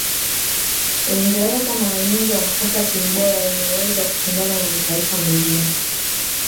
uingereza mara nyingi wanakosa timu bora yenyewe uwezo wa kushindana na mataifa mengine